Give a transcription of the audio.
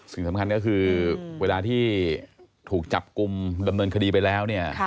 สิ่งสำคัญก็คือเวลาที่ถูกจับกลุ่มดำเนินคดีไปแล้วเนี่ย